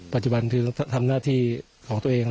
ปัจจุบันคือทำหน้าที่ของตัวเอง